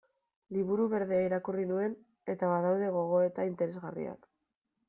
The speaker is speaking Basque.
Liburu Berdea irakurri nuen, eta badaude gogoeta interesgarriak.